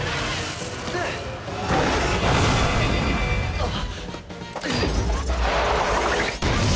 あっ！